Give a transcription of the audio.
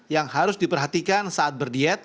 yang harus diperhatikan saat berdiet